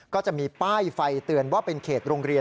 ก็จะมีป้ายไฟเตือนว่าเป็นเขตโรงเรียน